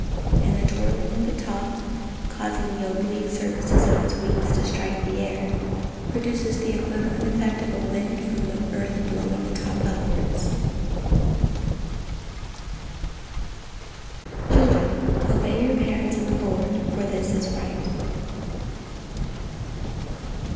And the twirling of the top, causing the oblique surfaces of its wings to strike the air, produces the equivalent effect of a wind from the earth blowing the top upwards. [Verse: "Children obey your parents in the Lord: for this is right."